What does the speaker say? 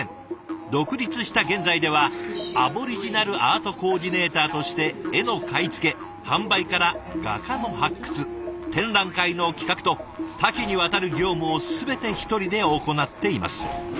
独立した現在ではアボリジナルアートコーディネーターとして絵の買い付け販売から画家の発掘展覧会の企画と多岐にわたる業務をすべて１人で行っています。